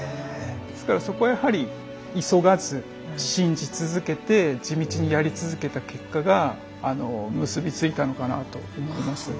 ですからそこはやはり急がず信じ続けて地道にやり続けた結果が結び付いたのかなと思います。